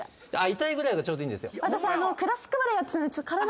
痛いぐらいがちょうどいいんですよ。